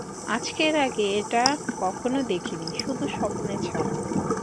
আজকের আগে এটা কখনো দেখিনি, শুধু স্বপ্নে ছাড়া।